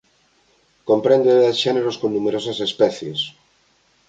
Comprende dez xéneros con numerosas especies.